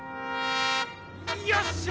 よっしゃ！